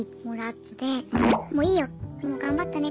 「もういいよもう頑張ったね。